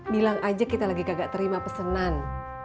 bilang aja kita lagi kagak terima pesanan